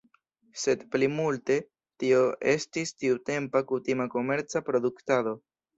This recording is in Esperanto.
Sed plimulte tio estis tiutempa kutima komerca produktado.